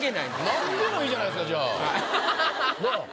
何でもいいじゃないですかじゃあ。